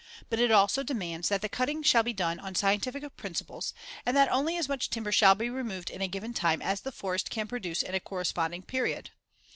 But it also demands that the cutting shall be done on scientific principles, and that only as much timber shall be removed in a given time as the forest can produce in a corresponding period.